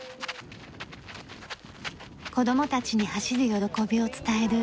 子供たちに走る喜びを伝える。